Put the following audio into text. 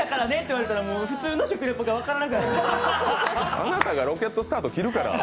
あなたがロケットスタート切るから。